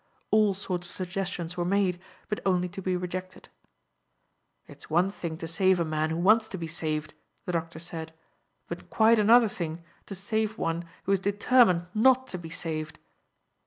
All sorts of suggestions were made, but only to be rejected. "It is one thing to save a man who wants to be saved," the doctor said, "but quite another thing to save one who is determined not to be saved."